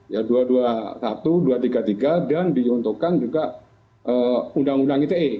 ya dua ratus dua puluh satu dua ratus tiga puluh tiga dan diuntukkan juga undang undang ite